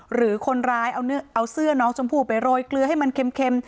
หรือคนร้ายเอาเสื้อน้องชมพู่ไปโรยเกลือให้มันเค็ม